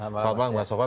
selamat malam mas sofwan